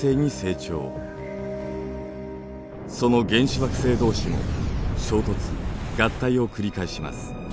その原始惑星同士も衝突合体を繰り返します。